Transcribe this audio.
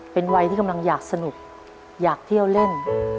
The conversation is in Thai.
เป็นวัยที่กำลังอยากสนุกอยากเที่ยวเล่น